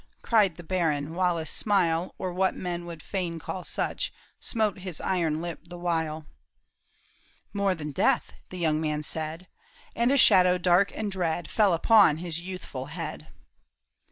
" Cried the baron, while a smile, Or what men would fain call such, Smote his iron lip the while. " More than death," the young man said ; And a shadow dark and dread Fell upon his youthful head.